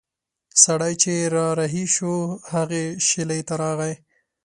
سړی چې را رهي شو هغې شېلې ته راغی.